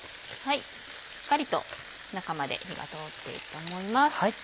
しっかりと中まで火が通っていると思います。